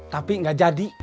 tapi gak jadi